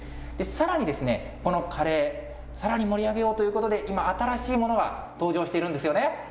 さらにこのカレー、さらに盛り上げようということで、今、新しいものが登場しているんですよね。